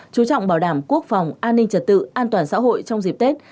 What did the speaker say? chú trọng bảo đảm quốc phòng an ninh trật tự an toàn xã hội trong dịp tết